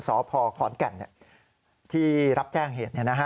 สพขอนแก่นที่รับแจ้งเหตุ